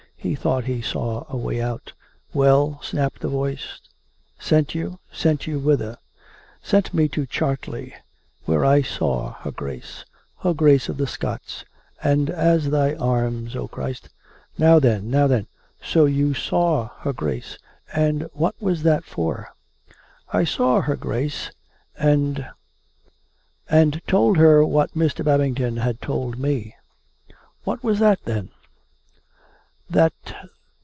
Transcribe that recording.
He thought he saw a way out. " Well ?" snapped the voice. " Sent you ?... Sent you whither ?"" Sent me to Chartley ; where I saw her Grace ... her COME RACK! COME ROPE! 449 Grace of the Scots ; and ..,' As Thy arms, O Christ ...'"" Now then ; now then !... So you saw her Grace ? And what was that for ?"" I saw her Grace ... and ... and told her what Mr. Babington had told me." " What was that, then .''"" That